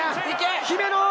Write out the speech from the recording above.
姫野！